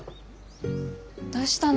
どしたの？